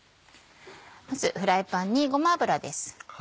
まずフライパンにごま油です。